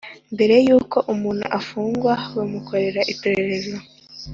mbere y uko umuntu ufungwa bamukorera iperereza